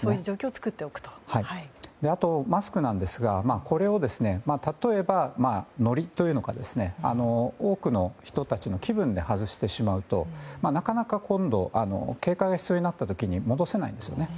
あと、マスクなんですがこれを例えばノリというか、多くの人たちの気分で外してしまうとなかなか、今度は警戒が必要になった時に戻せないんですね。